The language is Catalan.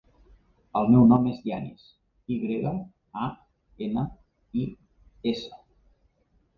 El meu nom és Yanis: i grega, a, ena, i, essa.